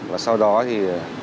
và sau đó thì